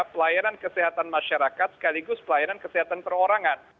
pelayanan kesehatan masyarakat sekaligus pelayanan kesehatan perorangan